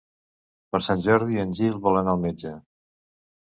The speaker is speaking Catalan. Per Sant Jordi en Gil vol anar al metge.